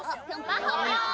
まほぴょん！